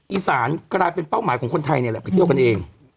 กลายเป็นเป้าหมายของคนไทยเนี่ยแหละไปเที่ยวกันเอง